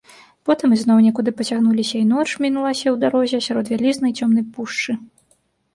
Потым ізноў некуды пацягнуліся, і ноч мінулася ў дарозе, сярод вялізнай цёмнай пушчы.